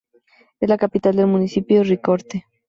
Es la capital del municipio Ricaurte.